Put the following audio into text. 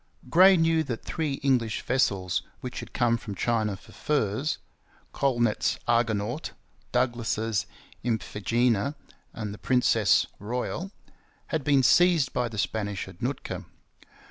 Gray knew that three English vessels which had come from China for furs Colnett's Argonaut, Douglas's Iphigenia, and the Princess Royal had been seized by the Spanish at Nootka.